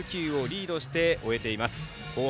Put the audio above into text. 琉球をリードして終えています。